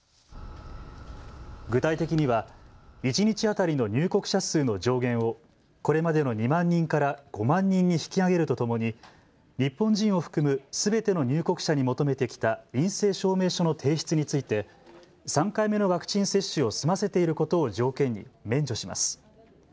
具体的には一日当たりの入国者数の上限をこれまでの２万人から５万人に引き上げるとともに日本人を含むすべての入国者に求めてきた陰性証明書の提出について３回目のワクチン接種を済ませていることを条件に免除します。